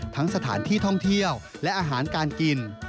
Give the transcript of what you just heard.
สถานที่ท่องเที่ยวและอาหารการกิน